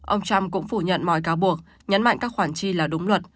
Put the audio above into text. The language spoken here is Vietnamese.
ông trump cũng phủ nhận mọi cáo buộc nhấn mạnh các khoản chi là đúng luật